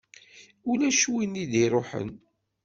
Ulac win i d-iṛuḥen.